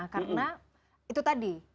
karena itu tadi